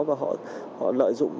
và họ lợi dụng